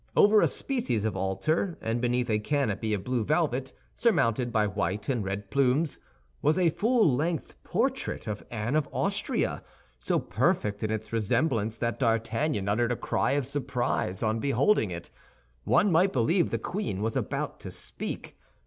Over a species of altar, and beneath a canopy of blue velvet, surmounted by white and red plumes, was a full length portrait of Anne of Austria, so perfect in its resemblance that D'Artagnan uttered a cry of surprise on beholding it. One might believe the queen was about to speak.